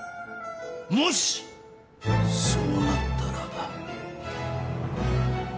もしそうなったら。